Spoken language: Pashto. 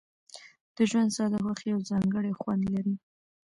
د ژوند ساده خوښۍ یو ځانګړی خوند لري.